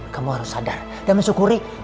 kamu harus sadar dan mensyukuri